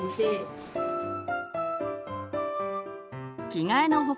着替えの他